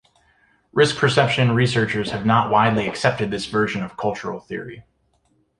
Risk perception researchers have not widely accepted this version of cultural theory.